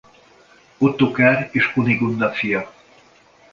Ottokár és Kunigunda fia.